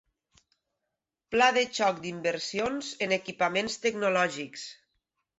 Pla de xoc d'inversions en equipaments tecnològics.